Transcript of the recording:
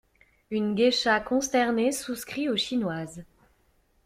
Une geisha consternée souscrit aux chinoises.